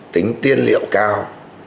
tính tiên liệu cao